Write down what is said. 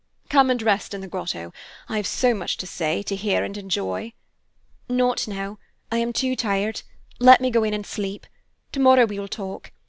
"Come and rest in the grotto. I have so much to say, to hear and enjoy." "Not now; I am too tired. Let me go in and sleep. Tomorrow we will talk.